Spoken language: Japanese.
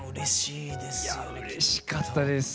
いやうれしかったです。